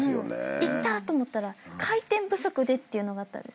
いったと思ったら回転不足でっていうのがあったんですね。